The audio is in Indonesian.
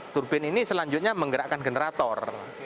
turbin ini selanjutnya menggerakkan generator